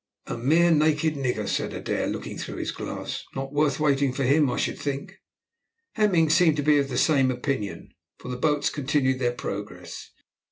"A mere naked nigger," said Adair, looking through his glass, "not worth waiting for him I should think." Hemming seemed to be of the same opinion, for the boats continued their progress.